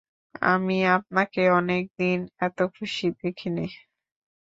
আমি আপনাকে অনেক দিন এত খুশি দেখিনি।